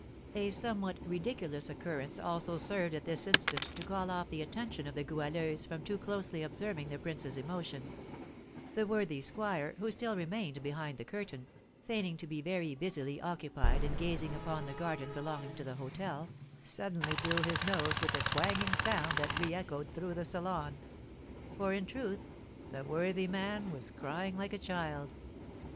A somewhat ridiculous occurrence also served at this instant to call off the attention of the Goualeuse from too closely observing the prince's emotion, the worthy squire, who still remained behind the curtain, feigning to be very busily occupied in gazing upon the garden belonging to the hôtel, suddenly blew his nose with a twanging sound that reëchoed through the salon; for, in truth, the worthy man was crying like a child.